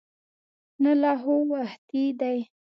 نه لا خو وختي دی.